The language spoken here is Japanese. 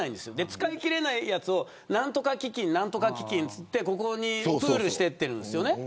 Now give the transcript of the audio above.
使い切れないやつを何とか基金といってプールしていってるんですよね。